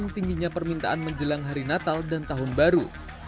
tingginya permintaan menjelang hari natal dan tahun baru